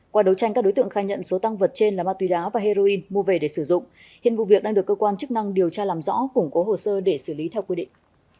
qua đấu tranh các đối tượng khai nhận số tăng vật trên là ma túy đá và heroin mua về để sử dụng hiện vụ việc đang được cơ quan chức năng điều tra làm rõ củng cố hồ sơ để xử lý theo quy định